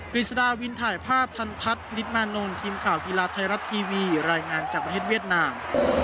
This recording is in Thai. ฤษฎาวินถ่ายภาพทันทัศน์นิดมานนท์ทีมข่าวกีฬาไทยรัฐทีวีรายงานจากประเทศเวียดนาม